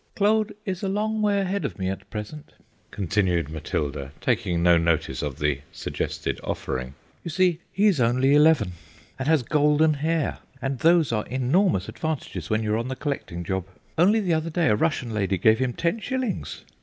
"Claude is a long way ahead of me at present," continued Matilda, taking no notice of the suggested offering; "you see, he's only eleven, and has golden hair, and those are enormous advantages when you're on the collecting job. Only the other day a Russian lady gave him ten shillings.